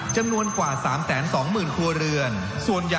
จำนวนกว่า๓๒๐๐๐ครัวเรือน